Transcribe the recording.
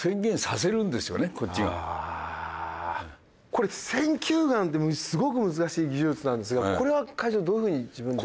これ選球眼ってすごく難しい技術なんですがこれは会長どういうふうに自分で？